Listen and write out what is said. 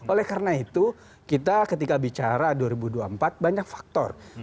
oleh karena itu kita ketika bicara dua ribu dua puluh empat banyak faktor